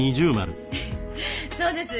そうです。